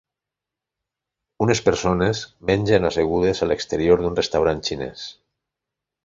Unes persones mengen assegudes a l'exterior d'un restaurant xinès